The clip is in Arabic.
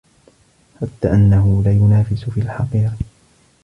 حَتَّى أَنَّهُ لَيُنَافِسُ فِي الْحَقِيرِ